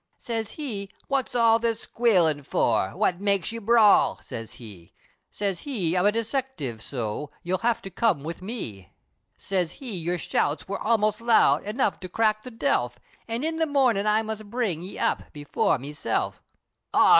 Siz he "What's all this squealin' for? What makes ye bawl?" siz he, Siz he, "I'm a dissective, so, You'll have to come wid me!" Siz he, "Yer shouts wor almost loud Enough, to crack the delph! An' in the mornin' I must bring Ye up, before himself!" "Arrah!